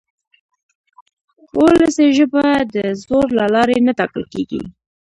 وولسي ژبه د زور له لارې نه ټاکل کېږي.